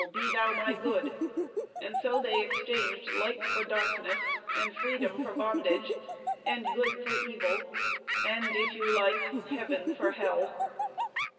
be thou my good;" and so they exchanged light for darkness, and freedom for bondage, and good for evil, and, if you like, heaven for hell.